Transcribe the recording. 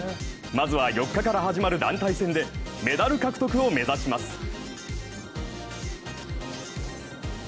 まずは４日から始まる団体戦でメダル獲得を目指します。